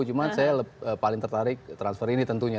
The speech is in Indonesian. cuma saya paling tertarik transfer ini tentunya